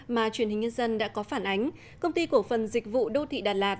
mà truyền hình nhân dân đã có phản ánh công ty cổ phần dịch vụ đô thị đà lạt